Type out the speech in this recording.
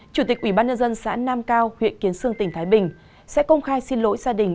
chủ tịch ubnd xã nam cao huyện kiến sương tỉnh thái bình sẽ công khai xin lỗi gia đình